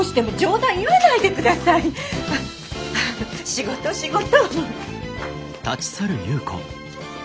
仕事仕事。